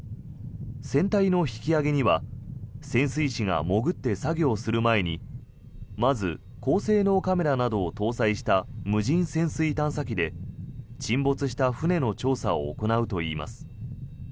船体の引き揚げには潜水士が潜って作業する前にまず高性能カメラなどを搭載した無人潜水探査機で沈没した船の調査を行うといいます。